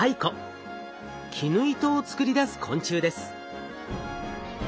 絹糸を作り出す昆虫です。